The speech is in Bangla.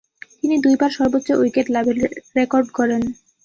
তিনি দুইবার সর্বোচ্চ উইকেট লাভের রেকর্ড গড়েন।